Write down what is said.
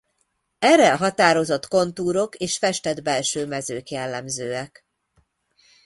Erre a határozott kontúrok és festett belső mezők jellemzőek.